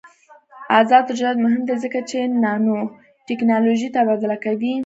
آزاد تجارت مهم دی ځکه چې نانوټیکنالوژي تبادله کوي.